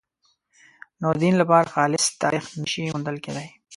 نو د دین لپاره خالص تاریخ نه شي موندل کېدای.